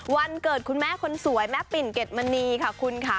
วันเกิดคุณแม่คนสวยแม่ปิ่นเก็ดมณีค่ะคุณค่ะ